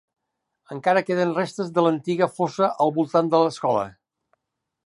Encara queden restes de l'antiga fossa al voltant de l'escola.